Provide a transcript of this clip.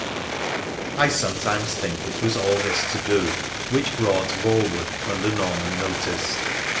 I sometimes think it was all this to do which brought Voewood under Norman notice.